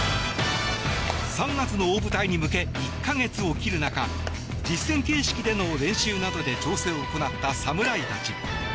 ３月の大舞台に向け１か月を切る中実戦形式での練習などで調整を行った侍たち。